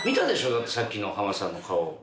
だってさっきの浜田さんの顔？